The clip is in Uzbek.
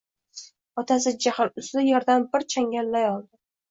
Otasi jahl ustida yerdan bir changal loy oldi.